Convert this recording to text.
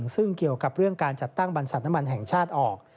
ซึ่งเกี่ยวกับเรื่องการจัดตั้งบรรษัทน้ำมันแห่งชาติออก